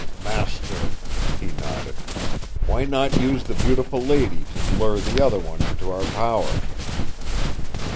"Master," he nodded, "why not use the beautiful lady to lure the other one into our power?"